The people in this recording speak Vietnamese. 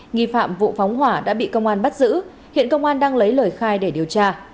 nghi phạm vụ phóng hỏa đã bị công an bắt giữ hiện công an đang lấy lời khai để điều tra